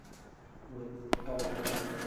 活道